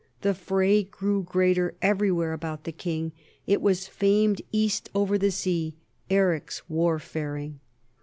The fray grew greater everywhere about the king. It was famed east over the sea, Eric's war faring.